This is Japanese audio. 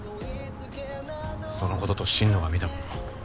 そのことと心野が見たもの